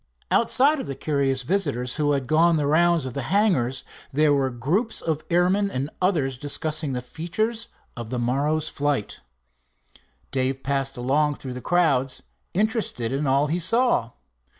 Outside of the curious visitors who had gone the rounds of the hangars, there were groups of airmen and others discussing the features of the morrow's flights. Dave passed along through the crowds, interested in all he saw.